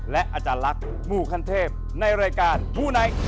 และอาจารย์ลักษณ์หมู่ขั้นเทพในรายการมูไนท์